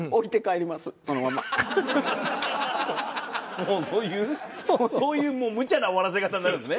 もうそういうそういうもうむちゃな終わらせ方になるんですね。